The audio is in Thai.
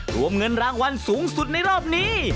รวมเงินรางวัลสูงสุดในรอบนี้